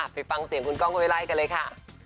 ไปฟังเสียงคุณก้องไว้ไล่กันเลยค่ะ